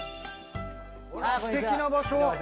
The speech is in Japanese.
すてきな場所！